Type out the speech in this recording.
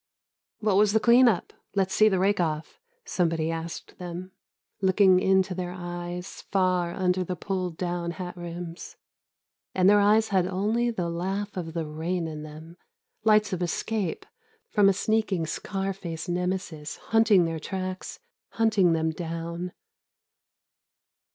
" What was the clean up? Let's see the rakeoff," somebody asked them, looking into their eyes far under the pulled down hat rims; and their eyes had only the laugh of the rain in them, lights of escape from a sneaking scar face Nemesis hunting their tracks, hunting them down.